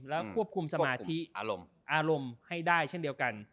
แล้วควบคุมสมาธิอารมณ์ให้ได้เช่นเดียวกัน